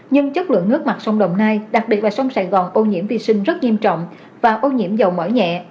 nhưng chất lượng nước mặt sông đồng nai đặc biệt là sông sài gòn ô nhiễm vi sinh rất nghiêm trọng và ô nhiễm dầu mỏ nhẹ